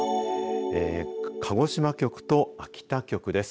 鹿児島局と秋田局です。